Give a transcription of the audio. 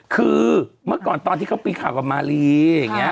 คือเมื่อก่อนตอนที่เขามีข่าวกับมารีอย่างนี้